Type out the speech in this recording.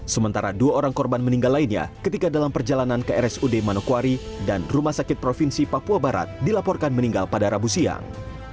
sementara dua orang korban meninggal lainnya ketika dalam perjalanan ke rsud manokwari dan rumah sakit provinsi papua barat dilaporkan meninggal pada rabu siang